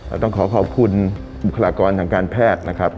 ต้องขอขอบคุณบุคลากรทางการแพทย์นะครับ